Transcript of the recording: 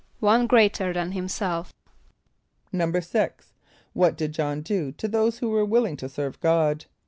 =One greater than himself.= =6.= What did J[)o]hn do to those who were willing to serve God?